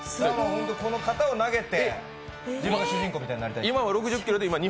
ホントにこの方を投げて、自分が主人公みたいになりたい。